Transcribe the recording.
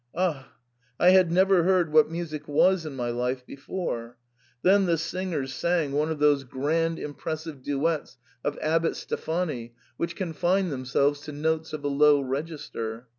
Ah ! I had never heard what music was in my life before ! Then the sisters sang one pf those grand inj' 40 THE PERM ATA. pressive duets of Abbot Steffani ' which confine them selves to notes of a low register.